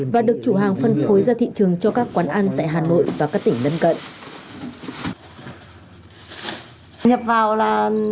và được chủ hàng phân phối ra thị trường cho các quán ăn tại hà nội và các tỉnh lân cận